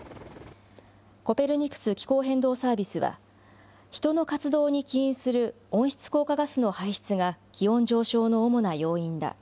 コペルニクス気候変動サービスは、人の活動に起因する温室効果ガスの排出が気温上昇の主な要因だ。